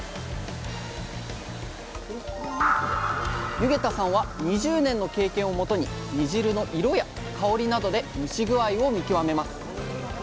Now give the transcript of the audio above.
弓削多さんは２０年の経験をもとに煮汁の色や香りなどで蒸し具合を見極めます